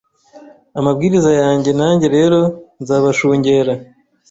amabwiriza yanjye nanjye rero nzabashungera